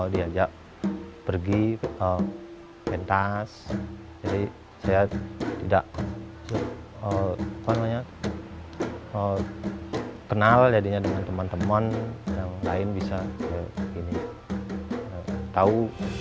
diajak pergi pentas jadi saya tidak kenal jadinya dengan teman teman yang lain bisa tahu